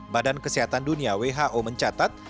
badan kesehatan dunia mencatat